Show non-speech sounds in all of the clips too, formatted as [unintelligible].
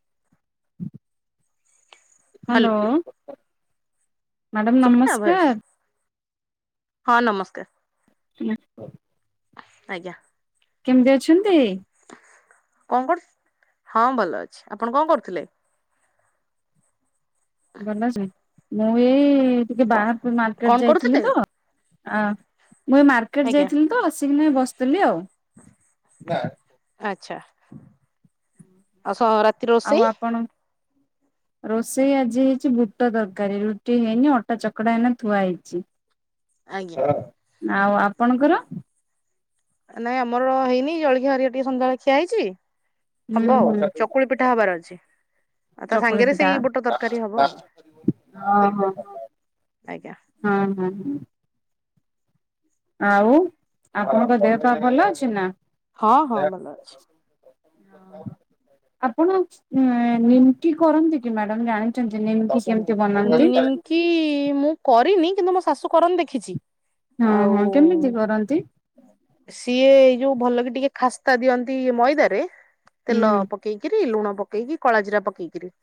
[inaudible] Hello. Hello madam ଶୁଭିଲା voice? ନମସ୍କାର ହଁ ନମସ୍କାର ହ। ଆଜ୍ଞା। କେମିତି ଅଛନ୍ତି। କଣ କରୁ ହଁ ଭଲ ଅଛି ଆପଣ କଣ କରୁଥିଲେ? ଭଲ ଅଛ। ମୁଁ ଏ ଏଇ ଟିକେ ବାହାରକୁ କଣ ମାର୍କେଟ ଯାଇଥିଲି କରୁଥିଲେ? ତ ଆଃ। ମୁଁ ଏଇ ମାର୍କେଟ ଆଜ୍ଞା ଯାଇଥିଲି ତ ଆସିକିନା ଏଇ ବ ଆସୁଥିଲି ଆଉ ଆଚ୍ଛା। [inaudible] ଆଉ ସ ରାତି ଆଉ ରୋଷେଇ? ଆପଣ ରୋଷେଇ ଆଜି ହେଇଛି ବୁଟ ଦରକାରୀ ରୁଟି ହେଇନି ଅଟା ଚକଡା ହେଇକିନା ଥୁଆ ହେଇଛି ଆଜ୍ଞା ହଁ। ଆଉ ଆପଣଙ୍କର? ନାଇଁ ଆମର ହେଇନି ଜଳଖିଆ ହେରିିକା ଟିକେ ସନ୍ଧ୍ୟାବେଳେ ଖିଆ ହେଇଛି ହବ ହୁଁ ଆଉ ଚକୁଳି ପିଠା ହୁଁ ହବାର ଅଛି ଆଉ ତା ଚକୁଳି ସାଙ୍ଗରେ ପିଠା ସେଇ ବୁଟ ତରକାରୀ ହବ ଆଉ ଓ ହୋ ଆଜ୍ଞା ହ ହ। ଆଉ ଆପଣଙ୍କ ଦେହ ପା ଭଲ ଅଛି ନା? ହଁ ହଁ ଭଲ ଅଛି। ଆପଣ ନିମକି କରନ୍ତି କି ମ୍ୟାଡାମ ଜାଣିଛନ୍ତି ନିମକି କେମିତି ବନାନ୍ତି? ନିମକି ମୁଁ କରିନି କିନ୍ତୁ ମୋ ଶାଶୁ କରନ୍ତି ଦେଖିଛି ହଁ ଆଉ ହଁ କେମିତି କରନ୍ତି? ସିଏ ଏଇ ଯୋଉ ଭଲ କି ଟିକେ ଖାସ୍ତା ଦିଅନ୍ତି ମଇଦାରେ ହୁଁ ତେଲ ପକେଇକିରି ଲୁଣ ପକେଇକି କଳାଜିିରା ପକେଇକିରି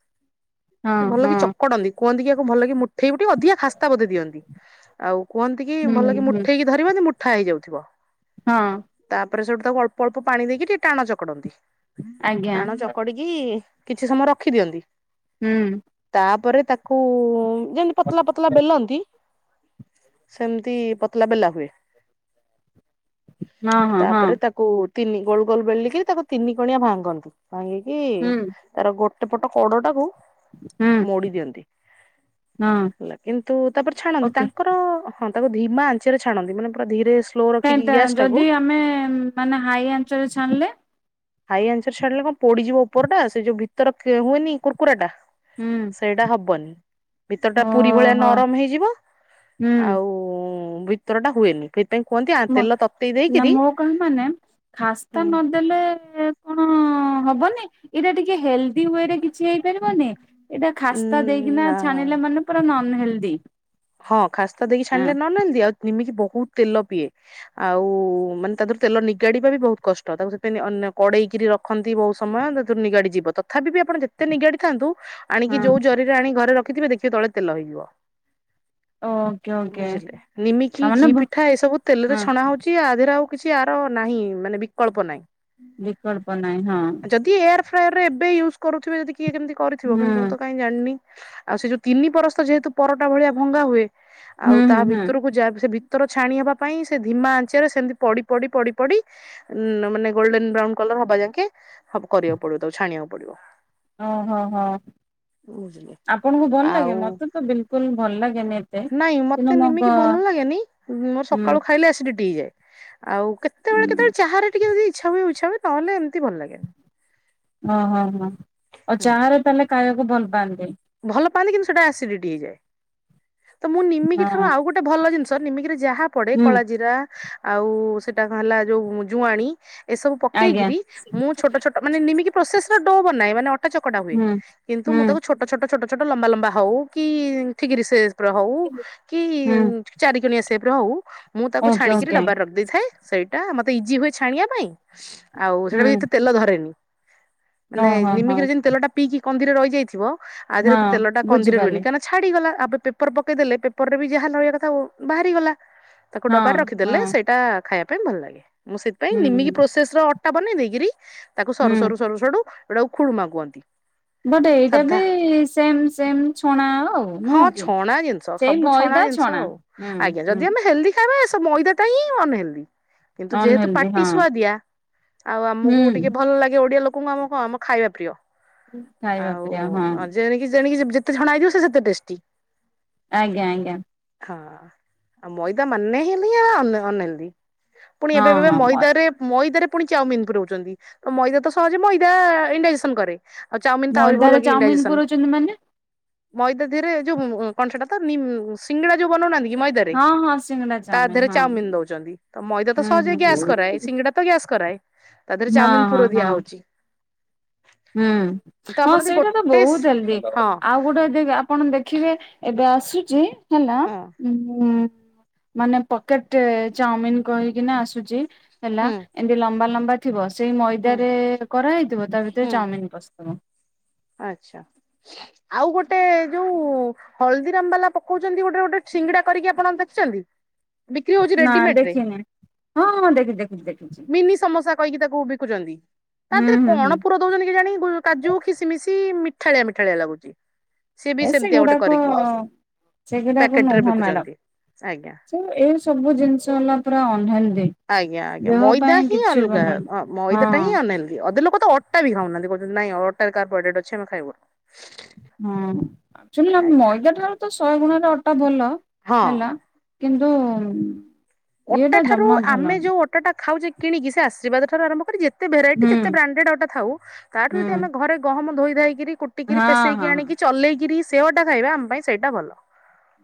ହଁ ସେ ହଁ ଭଲକି ଚକଡନ୍ତି୍। କୁହନ୍ତି କି ୟାକୁ ଭଲ କି ମୁ ମୁଠେଇ ବୁଟି ଟିକେ ଅଧିକ ଖାସ୍ତା ବୋଧେ ଦିଅନ୍ତି ଆଉ କୁହନ୍ତି କି ହୁଁ ଭଲ କି ହୁଁ ମୁଠେଇକି ଧରିବନି ମୁ ଅଠା ହେଇଯାଉଥିବ ହଁ। ତାପରେ ସେଠୁ ତାକୁ ଅଳ୍ପ ଅଳ୍ପ ପାଣି ଦେଇକି ଟିକେ ଟାଣ ଚକଡନ୍ତି। ଆଜ୍ଞା ଟାଣ ଚକଡିକି କିଛି ସମୟ ରଖିଦିଅନ୍ତି। ହୁଁ ତାପରେ କୁ ଯେମିତି ପତଳା ପତଳା ବେଲନ୍ତି ସେମତି ପତଳା ବେଲା ହୁଏ। ହଁ ହଁ ହଁ ତାପରେ ତାକୁ ତିିନି ଗୋଳୁ ଗୋଲ ବେଲିକିରି ତାକୁ ତିନି ପୁଣିଆ ଭାଙ୍ଗନ୍ତି। ଭାଙ୍ଗିକି ହୁଁ ତାର ଗୋ ଏପଟ କୋଡଟା କୁ ହୁଁ ମୋଡି ଦିଅନ୍ତି। ହଁ ହେଲା କିନ୍ତୁ ତାପରେ ଛାଣନ୍ତି ଓକେ ତାଙ୍କର ହଁ ତାକୁ ଧୀମା ଆଞ୍ଚରେ ଛାଣନ୍ତି ମାନେ ପୁରା ଧୀରେ ସ୍ଲୋ କାଇଁ ରଖିକି ଟା ଗ୍ୟାସ ଟାକୁ ଯଦି ଆମେ ମାନେ ହାଇ ଆଞ୍ଚରେ ଛାଣିଲେ ହାଇ ଆନ୍ଚରେ ଛାଡିଲେ କଣ ପୋଡିଯିବ ଉପର ଟା ସେ ଯଉ ଭିତର ହୁଏନି କୁର୍କୁରା ଟା ହୁଁ ସେଇଟା ହବନି ଭିତର ଟା ପୁରୀ ଭଳିଆ ଓହୋ ନରମ ହେଇଯିବ। ହୁଁ ଆଉ ଭିତରଟା ହୁଏନି। ସେଥିପାଇଁ କୁହନ୍ତି ଆ ମ ତେଲ ତତେଇ ନା ଦେଇକିରି ମୋ କଣ ମାନେ ଉଁ ଖାସ୍ତା ନଦେଲେ ହଁ ହବନି ଏଇଟା ଟିକେ ହେଲ ଦି ୱେ ରେ କିଛି ହେଇପାରିବନି। ଏଇଟା ଖାସ୍ତା ଦେଇକିନା ନା ଛାଣିଲେ ମାନେ ପୁରା ନର ନ ହେଲଦି ହଁ ଖାସ୍ତା ଦେଇକି ଛାଣିଲେ ନନ୍ ହେଲଦି ଆଉ ନିମିକି ବ ବହୁତ ତେଲ ପିଏ ଆଉ ମାନେ ତା ଦେରୁ ତେଲ ନିଗାଡିବା ବି ବହୁତ କଷ୍ଟ ତାକୁ ସେଥିପାଇଁ ଅ ନ କଡେଇକିରି ରଖନ୍ତି ବହୁତ ସମୟ ତାରୁ ନିଗାଡିଯିବ। ତଥାପି ବି ଆପଣ ଯେତେ ନିଗାଡିଥାନ୍ତୁ ଆଣିକି ହଁ ଯଉ ଜରିରେ ଆଣି ଘରେ ରଖ ଖିଥିବେ ଦେଖିବ ତଳେ ତେଲ ହେଇଯିବ। ଓକେ ଓକେ ବୁଝିଲେ ନିମିକି ତାମାନେ ଘି ବ ପିଠା ଏସବୁ ହଁ ତେଲରେ ଛଣା ହଉଚି ଆଧିରେ ଆଉ କିଛି ଆର ନାହିଁ ମାନେ ବିକଳ୍ପ ନାଇଁ। ବିକଳ୍ପ ନାହିଁ ହଁ। ଫ୍ରାୟରରେ ଏବେ ୟୁଜ୍ କରୁଥିବେ ଯଦି କିଏ କେମିତି କରିଥିବ କିନ୍ତ ମୁଁ ହୁଁ ତ କାଇଁ ଜାଣିନି? ଆଉ ସେ ଯଉ ତିନି ପରସ୍ତ ଯେହେତୁ ପର ଟା ଭଳିଆ ଭଙ୍ଗା ହୁଏ। ହୁଁ ଆଉ ତା ହୁଁ ହୁଁ ଭିତରକୁ ଯାଏ ସେ ଭି ଭିତରୁ ଛାଣି ହବା ପାଇଁ ସେ ଧିମା ଆଞ୍ଚରେ ସେମତି ପଡି ପଡି ପଡି ପଡି ଉ ମାନେ ଗୋଲଡେନ ବ୍ରାଉନ କଲର ହବା ଯାକେ କରିବାକୁ ପଡିବ ଛାଣିବାକୁ ପଡିବ। ଓହୋ ହୋ ବୁଝିଲେ। ଆପଣଙ୍କୁ ଭଲ ଲାଗେ ଆଉ ମତେ ତ ବିଲକୁଲ ଭଲ ଲାଗେନି ଏତେ ନାଇଁ କିନ୍ତୁ ମତେ ମୋ ଗ ନିମିକି ଭଲ ଲାଗେନି ମୋ ହୁଁ ସକାଳୁ ଖାଇଲେ ଏସିଡ଼ୀ ଟିଯାଏ ଆଉ କେତେବେଳେ ହୁଁ କେତେବେଳେ ଚାରେ ଟିକେ ଇ ଇଚ୍ଛା ଇଚ୍ଛା ହୁଏ ଉଛା ହଏହଲେ ଏମିତି ଭଲ ଲାଗେନି। ହଁ ହଁ ହଁ। ଆଉ ଚାରେ ତାହେଲେ କାଇଁ ବହୁତ ଭଲ ପାଆନ୍ତି। ଭଲ ପାଆନ୍ତି କିନ୍ତୁ ସେଟା ଆସିଡିଟି ହେଇଯାଏ। ତ ମୁଁ ନିମିକି ଠାରୁ ହଁ ଆଉ ଗୋଟେ ଭଲ ଜିନିଷ ନିମିକିରେ ଯାହା ପଡେ ହୁଁ କଳା ଜିରା ଆଉ ସେଟା କଣ ହେଲା ଯୋଉ ଜୁଆଣି ଏସବୁ ପକେଇକିରି ମୁଁ ଛୋଟ ଛୋଟ ମାନେ ଆଜ୍ଞା ନିମିକି ପ୍ରୋସେସ ର ମୁଁ ବନାଏ ମାନେ ଅଟା ଅଟା ଚକଟା ହୁଏ ହୁଁ କିନ୍ତୁ ହୁଁ ମୁଁ ତାକୁ ଛୋଟ ଛୋଟ ଛୋଟ ଛୋଟ ଲମ୍ବା ଲମ୍ବା ହଉ କି ଠିକିରି ସେ ହଉ କି ହୁଁ ଚାରିକଣିଆ ସେ ରହୁ ମୁଁ ତାକୁ ଓକେ ଛାଣିକି ଓକେ ଡବାର ରଖି ଦେଇଥାଏ ସେଇଠି ସେଟା ମତେ ଇଜି ହୁଏ ଛାଣିବା ପାଇଁ। ଆଉ ସେଇଟା ହୁଁ ବି ଏତେ ତେଲ ଧରେନି। ମାନେ ଓହୋ ହୋ ନିମିକିରେ ଯେମିତି ତେଲଟା ପିଇକି କନ୍ଧି ରେ ରହିଯାଇଥିବ? ଆଜିରେ ହଁ ତେଲ ଟା କନ୍ଦିରେ ରୁହେନି ବୁଝିପାରିଲି କାହିଁକ ନା ଛାଡିଗଲା। ଆବେ ପେପର ପକେଇଦେଲେ ପେପର ରେ ବି ଯାହା ନଳିଆ କଥା ବାହାରିଗଲା। ତାକୁ ହଁ ଡବାର ହଁ ରଖିଦେଲେ ସେଇଟା ଖାଇବା ପାଇଁ ଭଲ ଲାଗେ ମୁଁ ସେଥିପାଇଁ ନିମିକି ହୁଁ ପ୍ରୋସେସ ର ଟା ବନେଇ ଦେଇକିରି ତାକୁ ହୁଁ ସରୁ ସରୁ ସରୁ ସରୁ ଏଟାକୁ ଖୁଡ଼ୁମା କୁହନ୍ତି। ବଟ ଏଇଟା ବି ସାଧା ସେମ ସେମ ଛଣା ଆଉ ହଁ ନୁହଁ କି ଛଣା ଜିନିଷ ସେଇ ସବୁ ମଇଦା ଛଣା ହୁଁ ହୁଁ ସେସ ମଇଦାଟ ହିଁ ଅନନହେଲଦି କିନ୍ତୁ ଯେହେତୁ ଅନହେଲଦି ପାଟି ହଁ ସୁୁଆ ଦିଆ ଆଉ ହୁଁ ଆମକୁ ଟିକେ ଭଲ ଲାଗେ ଓଡିଆ ଲୋକ କ ଆମ କଣ ଆମ ଖାଇବା ପ୍ରିୟ ଖାଇବାପରେ ହଁ ଆ ଯେଣ କିି ଯେଣିକି ଯେତେଛଣା ହେଇଥିବ ସେ ସେତେ ଟେଷ୍ଟି। ଆଜ୍ଞା ଆଜ୍ଞା ହଁ। ଆଉ ମଇଦା ମାନେ ହେଲି ଆ ଅନେଲି ପୁଣି ହଁ ଏବେ ଏବେ ହଁ ମ ମଇଦାରେ ମଇଦାରେ ପୁଣି ଚାଉମିନ ପୁରଉଛନ୍ତି ମଇଦା ତ ସହଜେ ମଇଦା ଇନଡାଜେସନ କରେ। ଆଉ ଚାଉମିନ ତ ଆହୁରି ମଇଦାରେ ଭଲକିି ଇନଣ୍ଡାଇଜେସନ। ଚାଉମିନ ପୁରଉଛନ୍ତି ମାନେ? ମଇଦା ଧିରେ ଯୋଉ କଣ ସେଟା ତ ସିଙ୍ଗଡା ଯୋଉ ବନଉନାହାନ୍ତିକି ମଇଦରେ ହଁ ହଁ ସିଙ୍ଗଡା ତା ଚାଉମିନ ଦେହରେ ହଁ ଚାଉମିିନ ଦଉଛନ୍ତି ତ ମଇଦା ତ ହୁଁ ସହଜେ ହୁଁ ଗ୍ୟାସ କରାଏ ହୁଁ। ସିଙ୍ଗିଡା ତ ଗ୍ୟାସ କରାଏ। ତା ଦେହରେ ହଁ ଚାଉମିନ ହଁ ପୁର ହଁ ଦିଆ ହଉଛି। ହୁଁ ତ ହଁ ଆପଣ ଯଦି ସେଇଟା ତ ଗୋଟେ ବହୁତ ଜଲ୍ଦି ହଁ ଆଉ ଗୋଟେ ଆପଣ ଦେଖିବେ ଏ ଏବେ ଆସୁଛି ହେଲା, ହଁ ଉଁ ମାନେ ପକେଟ ଚାଉମିିନ କହିକିନା ଆସୁଛି ହେଲା ହୁଁ ଏମତି ଲମ୍ବା ଲମ୍ ବାିବସ ସେଇ ହୁଁ ମଇଦାରେ କରାହଇଥିବ ତା ଭିତରେ ଚାଉମିନ ବସ୍ୁ ହ ଆଛା ଆଉ ଗୋଟେ ଯୋଉ ହଳଦୀରାମ ବାଲା ପକଉଛନ୍ତି ଗୋଟେ ଗୋଟେ ସିଙ୍ଗଡା କରିକି ଆପଣ ଦେଖିଛନ୍ତି। ବିକ୍ରି ହଉଛି ନା ରେଡିମେଡରେ ଦେଖିନି ହଁ ହଁ ଦେଖି ଦେଖି ଦେଖିଛି ମିନି ସମସା କହିକି ତାକୁ ବିକୁଛନ୍ତି ତା ହୁଁ ଦେହରେ ହୁଁ କଣ ହୁଁ ପୁର ଦଉଛନ୍ତି କି ଜାଣି କାଜୁ ସିଏ ମିଠାଳିଆ ମିଠାଳିଆ ଲାଗୁଛି। ସିଏ ବି ଏ ସେମିତିଆ ଗୋଟେ ସେଗୁଡାକ କରିକି ସେଗୁଡାକ ପ୍ୟାକେଟ ରେ ନୁହଁ ବିକୁଛନ୍ତି ଆଜ୍ଞା। ମ୍ୟାଡାମ ସେ ଏଇ ସବୁ ଜିନିଷ ହେଲା ପୁରା ଅନ୍ଧ ଆଜ୍ଞା ଆଜ୍ଞା ମଇଦା ହିଁ ଅଲଗା ନୁହଁ ମଇଦାଟା ହଁ ହିଁ ଅନେହେଲଦୀ ଅଧ ଲୋକ ତ ଅ ଅଟା ବି ଖାଉନାହାନ୍ତି କହୁଛନ୍ତି ନାଇଁ ଅଟା ବି କାରବୋହାଇଡ୍ରେଟ ଖାଇବୁନି। ହଁ। ଆଛୁଆଲି ନା ଆଜ୍ଞା ମଇଦା ଠାରୁ ତ ଶହେ ଗୁଣରେ ଅଟା ଭଲ। ହଁ। ହେଲା କିନ୍ତୁ ଅଟା ଇଏଟା ଠାରୁ ଜମା ଭଲ ଆମେ ନୁହଁ ଯୋଉ ଅଟା ଟା ଖାଉଛେ କିଣିକି ସେ ଆଶୀର୍ବାଦ ଆରମ୍ଭ କରି ଯେ କେତେ ଭେରାଇଟି ହୁଁ ଯେତେ ବ୍ରାଣ୍ଡେଡ ଅଟା ଥାଉ ତାଠୁ ହୁଁ ଯଦ ଆମେ ଘରେ ଗହମ ଧୋଇ ଧାଇକିରି କୁଟିକିରି ହଁ ପେସେଇକି ହଁ ଆଣିକି ଚଲେଇକିରି ସେ ଅଟା ଖାଇବା ଆମ ପାଇଁ ସେଇଟା ଭଲ।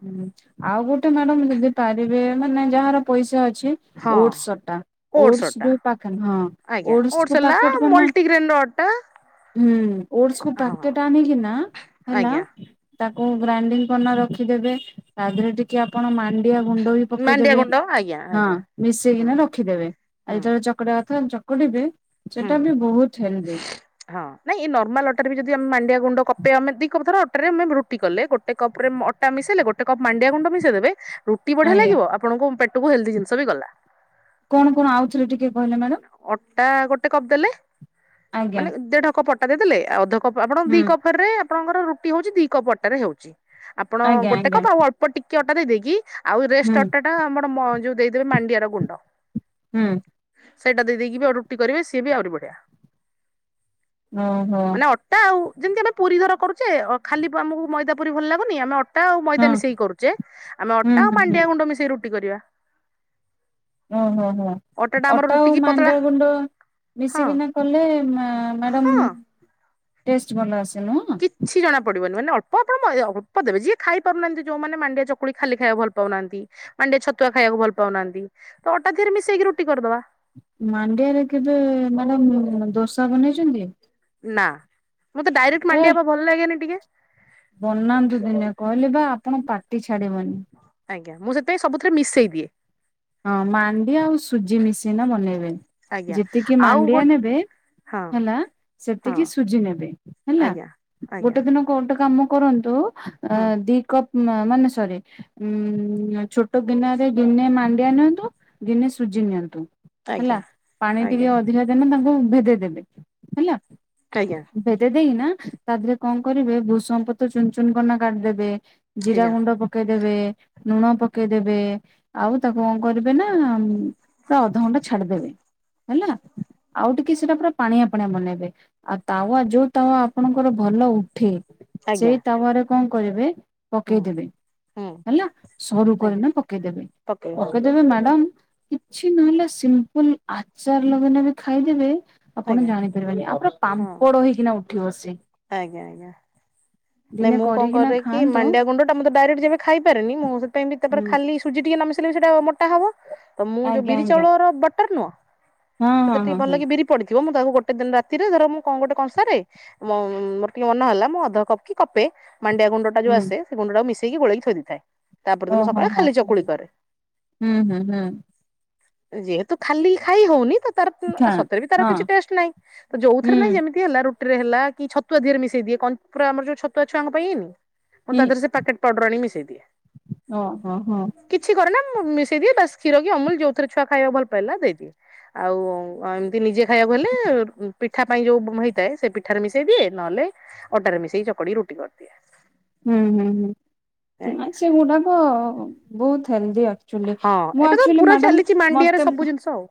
ହୁଁ ଆଉ ଗୋଟେ ମ୍ୟାଡମ ଯଦି ପାରିବେ ମାନେ ଯାହାର ପଇସା ଅଛି ଅଛି ହଁ ଓଟ୍ସ୍ ଅଟା ଓଟସ୍ ଯଉ ପ୍ୟାକେ ହଁ ଆଜ୍ଞା ଓଟସ୍ କୁ ହେଲା ପ୍ୟାକେଟ ବନାଅ। ମଲ୍ଟିଗ୍ରେନ୍ ର ଅଟା ଓଟସ୍ କୁ ହଁ ପ୍ୟାକେଟ ଆଣିକିନା ହେଲା ଆଜ୍ଞା ତାକୁ ଗ୍ରାଇଣ୍ଡିଙ୍ଗ କରିନ ରଖି ଦେବେ ତା ଦେହରେ ଟିକେ ଆପଣ ମାନ୍ ଣ୍ଡିଆ ଗୁଣ୍ଡ ବି ମାଣ୍ଡିଆ ପକେଇଦବେ ଗୁଣ୍ଡ ଆଜ୍ଞା ହଁ ଆଜ୍ଞା ହୁଁ ମିଶେଇକିନା ରଖିଦେବେ ଆଉ ହୁଁ ଯେତେବେଳେ ଚକଟା ଚକଡିବେ ହୁଁ ହଁ ନାଇଁ ଏଇ ନର୍ମାଲ ଅଟାରୀ ବି ଯଦି ଆମେ ମାଣ୍ଡିଆ ଗୁଣ୍ଡ କପେଇ ଆମେ ଦି କଥର ରୁଟି କଲେ ଗୋଟେ କପ ରେ ଅଟା ମିଶେଇଲେ ଗୋଟେ କପ୍ ମାଣ୍ଡିଆ ଗୁଣ୍ଡ ମିଶେଇଦେବେ ରୁଟି ବଢିଆ ଆଜ୍ଞା ଲାଗିବ ଆପଣଙ୍କୁ ପେ ହେଲ୍ଦୀ ଜିନିଷ ବି ଗଲା କଣ କଣ ଆଉଥରେ ଟିକେ କହିଲେ ମ୍ୟାଡାମ ଟା ଗୋ ଟେ କପ ଦେଲେ ଆଜ୍ଞା ମାନେ ଦେଢ କପ ଅଟ ଟା ଦେଇଦଲେ ଆଉ ଅଧ କ୍ ଆପ ଆପଣଙ୍କ ହୁଁ ଦି କପରେ ଆପଣଙ୍କର ରୁଟି ହଉଛି ଦି କପ ଅଟାରେ ହଉଛି ଆପଣ ଆଜ୍ଞା ଗୋଟେ ଆଜ୍ଞା କପ ଆଉ ଅଳ୍ପ ଟିକ କି ଅଟା ଦେଇଦେଇକି ଆଉ ହୁଁ ରେଷ୍ଟ ଅଟା ଟା ଆମର ମ ଯୋଉ ଦେଇଦେବେ ମାଣ୍ଡିଆର ଗୁଣ୍ଡ ହୁଁ ସେଇଟା ଦେଇକି ଆଉ ରୁଟି କରିବେ ସିଏ ବି ଆହୁରି ବଢିଆ ଓହୋ ମାନେ ଅଟା ଆଉ ଯେମିତି ଆମେ ପୁରୀ ଧର କରୁଚେ ଅ ଖାଲି ଆମକୁ ମଇଦା ପୁରୀ ଭଲ ଲାଗୁନି ଆମେ ଅ ଟା ଆଉ ହଁ ମଇଦା ମିଶେଇ କରୁଛେ ଆମେ ହୁଁ ଅଟା ଆଉ ହୁଁ ମାଣ୍ଡିଆ ଗୁଣ୍ଡ ମିଶେଇ ରୁ [unintelligible] କରିବା ଉଁ ହୁଁ ହୁଁ ଟା ଆମର ଅଟା ଆଉ ରୁଟି କି ପତଳା ମାଣ୍ଡିଆଗୁଣ୍ଡ ହଁ ମିଶିକିନା କଲେ ମ୍ୟା ମ୍ୟାଡ଼ାମ୍ ହଁ ଟେଷ୍ଟ ଭଲ ଆସେ ନୁହଁ କିଛି ଜଣା ପଡିବନି ମାନେ ଅଳ୍ପ ଅଳ୍ପ ମଇଦା ଅଳ୍ପ ଦେବେ ଯିଏ ଖାଇପାରୁନାହାନ୍ତି ଯୋଉମାନେ ମାଣ୍ଡିଆ ଚକୁଳି ଖାଲି ଖାଇବାକୁ ଭଲ ପାଉନାହାନ୍ତି ମାଣ୍ଡିଆ ଛତୁଆ ଖାଇବାକୁ ଭଲ ପାଉନାହାନ୍ତି ତ ଅଟା ଦେହେରେ ମିଶେଇକି ରୁଟି କରଦବା। ମାଣ୍ଡିଆରେ କେବେ ମ୍ୟାଡମ୍ ଦୋସା ବନେଇଛନ୍ତି? ନା। ମତେ ଡାଇରେକ୍ଟ ଏ ମାଣ୍ଡିଆ ପା ଭଲ ଲାଗେନି ଟିକେ। ବନାନ୍ତୁ ଦିନେ କହିଲି ବା ଆପଣ ପାଟି ଛା ଆଜ୍ଞା ମୁଁ ସେଥିାପାଇଁ ସବୁଥିରେ ମିଶେଇ ଦି ଦିଏ। ହଁ ମାଣ୍ଡିଆ ଆଉ ସୁଜି ମିଶେଇନା ବନେଇବେ ଆଜ୍ଞା ଯେତିକି ଆଉ ଗୋ ମାଣ୍ଡିଆ ନେବେ ହଁ ହେଲା ହଁ ସେତିକି ସୁଜି ନେବେ ହେଲା ଆଜ୍ଞା ଆଜ୍ଞା ଗୋଟେ ଦିନ କୋଉ ଗୋଟେ କାମ କରନ୍ତୁ ଅ ହୁଁ ଦି କପ୍ ନାଁ ମାନେ ସରି ଉମ୍ ଛୋଟ ଗିନାରେ ଗିନେ ମାନ୍ ଣ୍ଡିଆ ନିଅନ୍ତୁ ଦିନେ ସୁଜି ନିଅନ୍ତୁ ହେଲା ଆଜ୍ଞା ପାଣି ଟିକେ ଆଜ୍ଞା ଅଧିକା ଦେବେ ତା ହଁ ଭେଦେଇଦେବେ ହେଲା। ଆଜ୍ଞା ଭେଦେଇ ଦେଇକି ନା ତା ଦେହରେ କଣ କରିବେ ଭୂଷଙ୍ଗ ପତ୍ର ଚୁନ୍ ଚୁନ୍ କରିକିନା କାଟିଦେବେ ଜିରା ଆଜ୍ଞା ଗୁଣ୍ଡ ପକେଇଦେବେ ଲୁଣ ପକେଇଦେବେ ଆଉ ତାକୁ କଣ କରିବେ ନା ପୁରା ଅଧଘଣ୍ଟା ଛାଡିଦେବେ ହେଲା ଆଉ ଟିକେ ସେଟା ପୁରା ପାଣିଆ ପାଣିଆ ବନେଇବେ ଆଉ ତାୱା ଯୋଉ ତାୱା ଆପଣଙ୍କର ଭଲ ଉଠେ ଆଜ୍ଞା ସେଇ ତାୱା ରେ କଣ କରିବେ ହୁଁ ପକେଇଦେବେ ହୁଁ ହେଲା ସରୁ କରି ଆଜ୍ଞା ନା ପକେଇଦେବେ ପକେଇ ହଁ ପକେଇଦେବେ ମ୍ୟାଡ଼ାମ କିଛି ନହେଲେ ସିମ୍ପୁଲ ଆଚାର ଲଗେଇକିନା ଖାଇଦେବେ ଆପଣ ଆଜ୍ଞା ଜାଣିପାରିବେନି ଆଉ ପୁରା ହଁ ପାମ୍ପଡ ହେଇକିନା ଉ ଉଠିବ ସିଏ। ଆଜ୍ଞା ଆଜ୍ଞା ନାଇଁ ଦିନେ ମୁଁ କଣ କରିକିନା କରେ କି ଖାଆନ୍ତୁ ମାଣ୍ଡିଆ ଗୁଣ୍ଡ ଟା ମୁଁ ତ ଡାଇରେକ୍ଟ ଯେବେ ଖାଇପାରେନି ମୁଁ ସେଥିପାଇଁ ତାପରେ ହୁଁ ଖାଲି ସୁଜି ଟିକେ ନ ମିଶେଇ ଲେ ସେଇଟା ମୋଟା ହବ ତ ମୁଁ ଯୋଉ ଆଜ୍ଞା ବିରି ଆଜ୍ଞା ଚାଉଳର ବଟର ନୁହଁ, ହଁ ହଁ ସେଥିରେ ହଁ ଟିକେ ହଁ ଭଲକି ବିରି ପଡିଥିବ, ଥିବ ମୁଁ ତାକୁ ଗୋଟେ ଦିନ ରାତିରେ ଧର ମୁଁ ଗୋଟେ କଂସାରେ ମୁଁ ମୋର୍ ଟିକେ ମନ ହେଲା ମୁଁ ଅଧ କପ୍ କି କପେ ମାଣ୍ଡିଆ ଗୁଣ୍ଡଟା ଯୋଉ ଆସେ ସେ ଗୁଣ୍ଡଟାକୁ ମିଶେଇ ମିଶେଇକି ଗୋଳେଇକି ଥୋଇ ଦେଇଥାଏ । ଓ ହୋ ହୋ ହଁ ହୁଁ ହୁଁ ହୁଁ। ଯେହେତୁ ଖାଲି ଖାଇ ହଉନି ତ ତାର ଖାଁ ସତରେ ବି ତାର ହଁ କିଛି ଟେଷ୍ଟ୍ ନାଇଁ ହୁଁ ଯୋଉଥିରେ ନାଇଁ ଯେମିତି ହେଲା ରୁଟି ଟିରେ ହେଲା କି ଛତୁଆ ଦିହରେ ମିଶେଇ ଦିଏ କ ଆମର ଯୋଉ ଛତୁଆ ଛୁଆଙ୍କ ପାଇଁ ହେଇନି ମୁଁ ତା ଦିହ ରେ ସେ ପ୍ୟାକେଟ୍ ପାଉଡର୍ ଆଣିକି ମିଶେଇ ଦିଏ। ଓ ହୋ ହୋ। କିଛି କରେନା ମିଶେଇ ଦିଏ ବାସ କ୍ଷୀର କି ଅମୁଲ ଯୋଉଥିରେ ଛୁଆ ଖାଇବା ଭଲ ପାଇଲା ଦେଇଦିଏ ଆଉ ଏମିତି ନିଜେ ଖାଇଆକୁ ହେଲେ ପିଠା ପାଇଁ ଯୋଉ ହେଇଥାଏ ସେ ପିଠାରେ ମିଶେଇ ମିଶେଇ ଦିଏ ନହେଲେ ଅଟାରେ ମିଶେଇ ଚକଡି ରୁଟି କରିଦିଏ। ହୁଁ ହୁଁ ହୁଁ। ନା ଆଜ୍ଞା ସେ ଗୁଡାକ ବହୁତ ସେମିତି ଆଉ। ହଁ ଏବେ ତ ପୁରା ଚାଲିଛି ମାଣ୍ଡିଆରେ ମତେ ସବୁ ଜିନିଷ ଆଉ।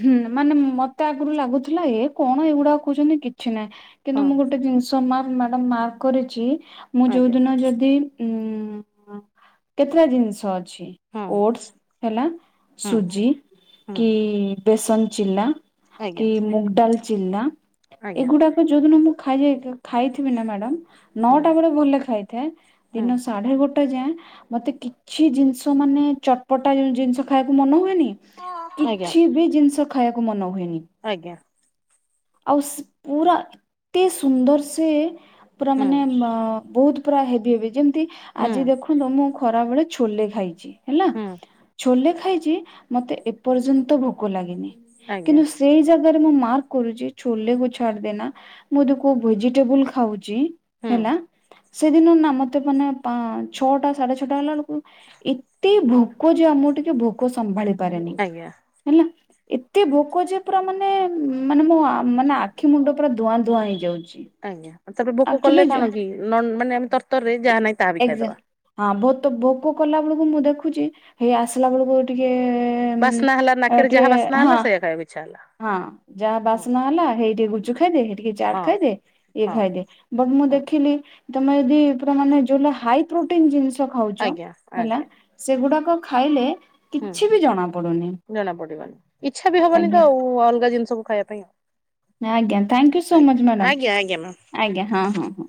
ହୁଁ ମାନେ ମତେ ଆଗରୁ ଲାଗୁଥିଲା ଏ କଣ ଏଇଗୁଡାକ କହୁଛନ୍ତି କିଛି ନାହିଁ କିନ୍ତୁ ହଁ ମୁଁ ଗୋଟେ ଜିନିଷ ତା ମାନେ ମ୍ୟାଡ଼ମ୍ ମାର୍କ କରିଛି ମୁଁ ଯୋଉ ଆଜ୍ଞା ଦିନ ଯଦି ଉଁ କେତେଟା ଜିନିଷ ଅଛି ହଁ। ଓଟ୍ସ ହେଲା ହୁଁ ସୁଜି ହୁଁ କି ବେସନ ଚିଲ୍ଲା କି ଆଜ୍ଞା ମୁଗ ଡାଲ ଚିଲ୍ଲା ଆଜ୍ଞା ଏଗୁଡାକ ଯୋଉଦିନ ମୁଁ ଖାଇ ଯାଇତେ ଖାଇଥିବି ନା ମ୍ୟାଡ଼ାମ ହୁଁ ନଅଟା ବେଳେ ବୋଲିଲେ ଖାଇଥାଏ ଦିନ ହୁଁ ସାଢ଼େ ଗୋଟେ ଯାଏଁ ମତେ କିଛି ଜିନିଷ ମାନେ ଚଟପଟା ଜିନିଷ ଖାଇବାକୁ ମନ ହୁଏନି। ଆଜ୍ଞା କିଛି ବି ଜିନିଷ ଖାଇବାକୁ ମନ ହୁଏନି। ଆଜ୍ଞା। ଆଉ ପୁରା ଏତେ ସୁନ୍ଦର ସେ ପୁରା ହୁଁ ମାନେ ମ ବହୁତ ପୁରା ହେଭି ହେଭି ଯେମ ତି ହୁଁ ଆଜି ହୁଁ ଦେଖନ୍ତୁ ମୁଁ ଖରାବେଳେ ଛୋଲେ ଖାଇଛି। ହେଲା ଛୋ ଚୋଲେ ଖାଇଛି ମତେ ଏପର୍ଯ୍ୟନ୍ତ ଭୋକ ଲାଗିନି ଆଜ୍ଞା ହୁଁ କିନ୍ତୁ ସେଇ ଜାଗା ମୁଁ ମାର୍କ କରୁଛି। ଛୋଲେ କୁ ଛାଡିଦେନା ମୁଁ ଯଦି କଉ ଭୋଜିଟେବୁଲ ଖାଉଛି। ଜି ହେଲା ସେଦିନ ନା ମତେ ମାନେ ଛଅଟା ସାଢେ ଛଅଟା ହେଲା ବେଳକୁ ଏତେ ଭୋକ ଯେ ଆ ମୁଁ ଟିକେ ଭୋକ ସମ୍ଭାଳି ପାରେନି ଆଜ୍ଞା। ହେଲା। ଏତେ ଭୋକ ଯେ ପୁରା ମାନେ ମାନେ ମୋ ଆ ମାନେ ଆଖି ମୁଣ୍ଡ ପୁରା ଧୂଆଁ ଧୂଆଁ ହେଇଯାଉଛି। ଆଜ୍ଞା ତାପରେ ଭୋକ ଆକ୍ଚୁଆଲି କଲେ ଯେ କଣ କି ମାନେ ଆମେ ତରତରରେ ଯାହା ନାହିଁ ତାହା ବି ଖାଇଦବା। ତ ଭୋଗ କଲା ବେଳକୁ ମୁଁ ଦେଖୁଛି ହେଇ ଆସିଲା ବେଳକୁ ଟିକେଏ ବାସ୍ନା ହେଲା ନାକରେ ଯାହା ବାସ୍ନା ହେଲା ସେୟା ଖାଇବାକୁ ଇଚ୍ଛା ହେଲା। ହଁ ଯାହା ହୁଁ। ବାସ୍ନା ହେଲା ହେଇ ଟିକେ ଗୁଚୁ ଖାଇଦେ ହେଇ ଟିକେ ହଁ ଚାଟ ଖାଇଦେ ଇଏ ହଁ ଖାଇଦେ ବଟ ମୁଁ ହଁ ଦେଖିଲି ତମେ ଯଦି ପୁରା ମାନେ ଯୋଉ ଦିନ ହାଇ ପ୍ରୋଟିନ ଜିନିଷ ଖାଉଛ ଆଜ୍ଞା ହେଲା ଆଜ୍ଞା ସେଗୁଡାକ କଣ ଖାଇଲେ ହୁଁ କିଛି ବି ଜଣା ପଡୁନି ଜଣା ପଡିବନି ଇଚ୍ଛା ବି ହବନି ଆଜ୍ଞା ତ ଆଉ ଅଲ ଅଲଗା ଜିନିଷ ସବୁ ଖାଇବା ପାଇଁ ଆଉ ଆଜ୍ଞା ଥ୍ୟାଙ୍କୟୁ ସୋ ଆଜ୍ଞା ମଚ୍ ଆଜ୍ଞା ଆଜ୍ଞା ମ୍ୟାମ୍। ମ୍ୟାଡ଼ାମ ଆଜ୍ଞା ହଁ ହଁ ହଁ।